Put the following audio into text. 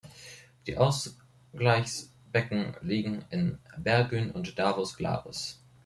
Die Ausgleichsbecken liegen in Bergün und Davos-Glaris.